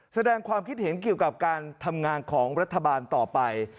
แสดงความคิดเห็นเกี่ยวกับการทำงานของรัฐบาลต่อไป